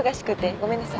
ごめんなさい。